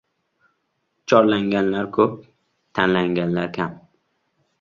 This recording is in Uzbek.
Chorlanganlar ko‘p, tanlanganlar kam.